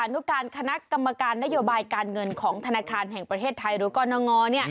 นุการคณะกรรมการนโยบายการเงินของธนาคารแห่งประเทศไทยหรือกรณง